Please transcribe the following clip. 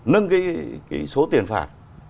nâng cái số tiền phạt